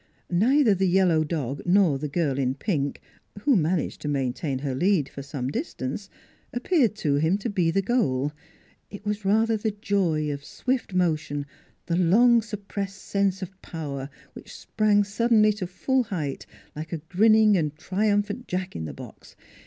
Neither the yellow dog nor the girl in pink who managed to maintain her lead for some distance appeared to him to be the goal. It was rather the joy of swift motion, the long suppressed sense of power which sprang suddenly to full height, like a grinning and triumphant Jack in the box.